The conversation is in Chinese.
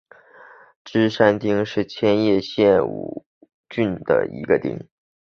芝山町是千叶县山武郡的一町。